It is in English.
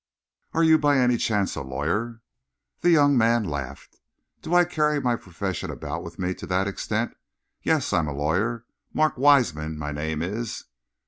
"Are you, by any chance, a lawyer?" The young man laughed. "Do I carry my profession about with me to that extent? Yes, I'm a lawyer. Mark Wiseman, my name is."